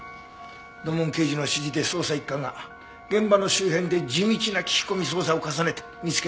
土門刑事の指示で捜査一課が現場の周辺で地道な聞き込み捜査を重ねて見つけたそうだ。